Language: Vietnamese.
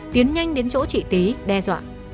tiến nhanh đến chỗ chị tí đe dọa